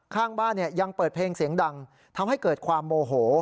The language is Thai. ข้างบ้านยังเปิดเพลงเสียงดังทำให้เกิดความโมโห